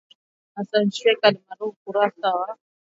Hassan Sheikh Mohamud alimshukuru Raisi Joe Biden katika ukurasa wa